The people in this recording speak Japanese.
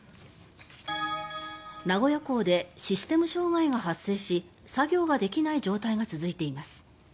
名古屋港でシステム障害が発生し作業が出来ない状態が続いています。